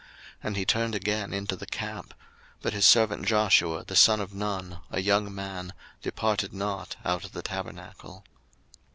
And he turned again into the camp: but his servant Joshua, the son of Nun, a young man, departed not out of the tabernacle.